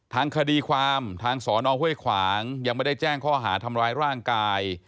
ทางคดีความทางสอนอห้วยขวางยังไม่ได้แจ้งข้อหาทำร้ายร่างกาย